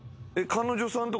彼女さんと？